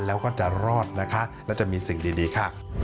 แล้วก็จะรอดนะคะและจะมีสิ่งดีค่ะ